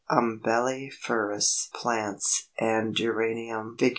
Umbelliferous plants and Geranium (Fig.